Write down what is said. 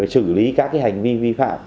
xử lý các hành vi vi phạm